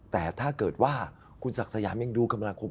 แต่ถ้าเกิดว่าคุณศักดิ์สยามยังดูกรรมนาคม